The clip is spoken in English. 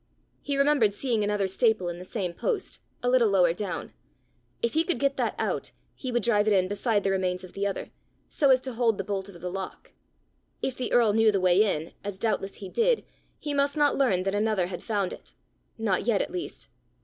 He remembered seeing another staple in the same post, a little lower down: if he could get that out, he would drive it in beside the remains of the other, so as to hold the bolt of the lock: if the earl knew the way in, as doubtless he did, he must not learn that another had found it not yet at least!